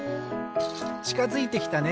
ちかづいてきたね。